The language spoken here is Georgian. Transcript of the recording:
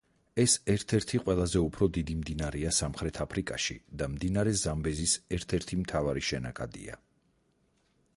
ეს ერთ-ერთი ყველაზე უფრო დიდი მდინარეა სამხრეთ აფრიკაში და მდინარე ზამბეზის ერთ-ერთი მთავარი შენაკადია.